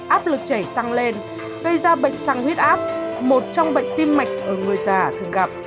áp lực chảy tăng lên gây ra bệnh tăng huyết áp một trong bệnh tim mạch ở người già thường gặp